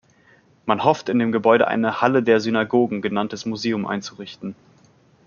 Man hofft, in dem Gebäude ein "Halle der Synagogen" genanntes Museum einzurichten.